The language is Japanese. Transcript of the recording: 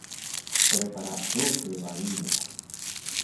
これからどうすればいいのか。